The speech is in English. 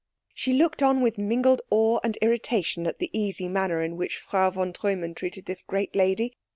She looked on with mingled awe and irritation at the easy manner in which Frau von Treumann treated this great lady.